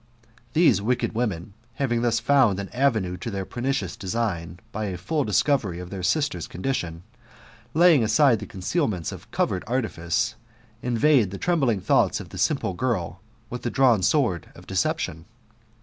These wicked women, having thus found an avenue to their pernicious design, by a full discovery of their sister's condition, laying aside the concealments of covered artifice, invade the trembling thoughts of the simple girl with the drawn sword of deception.